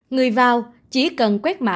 người vào chỉ cần quét mã